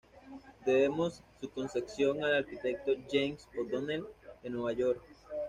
Debemos su concepción al arquitecto James O' Donnell, de Nueva York.